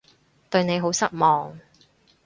對你好失望